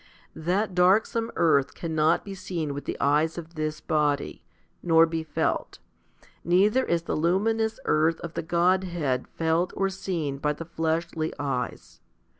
That darksome earth cannot be seen with the eyes of this body, nor be felt; neither is the luminous earth of the Godhead felt, or seen by the fleshly eyes.